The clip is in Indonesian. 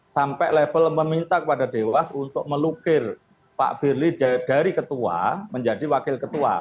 sampai level meminta kepada dewas untuk melukir pak firly dari ketua menjadi wakil ketua